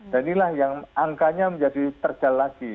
dan inilah yang angkanya menjadi terjal lagi